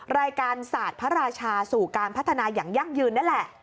รายการศาสตร์พระราชาสู่การพัฒนาอย่างยั่งยืนนั่นแหละ